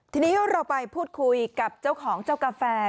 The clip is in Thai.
ทีนี้เราไปพูดคุยกับเจ้าของเจ้ากาแฟ